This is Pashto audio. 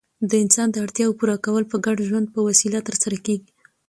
د انسان داړتیاوو پوره کول په ګډ ژوند په وسیله ترسره کيږي.